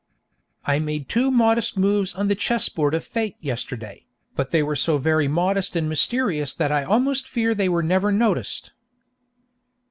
I made two modest moves on the chessboard of Fate yesterday, but they were so very modest and mysterious that I almost fear they were never noticed.